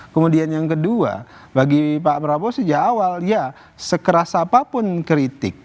kemudian yang kedua bagi pak prabowo sejak awal ya sekeras apapun kritik